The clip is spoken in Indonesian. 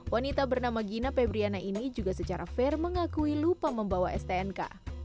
wanita bernama gina pebriana ini juga secara fair mengakui lupa membawa stnk